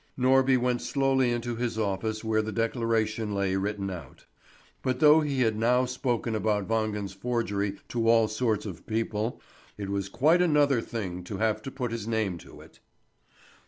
Norby went slowly into his office where the declaration lay written out. But though he had now spoken about Wangen's forgery to all sorts of people, it was quite another thing to have to put his name to it.